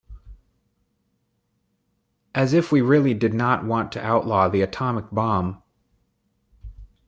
As if we really did not want to outlaw the atomic bomb!